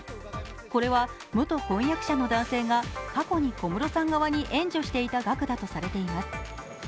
これは元婚約者の男性が過去に小室さん側に援助していた額だとされています。